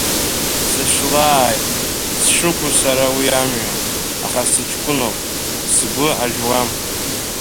Сышлааит, сшықәу сара уи амҩа, аха сыҷкәыноуп, сгәы ажәуам.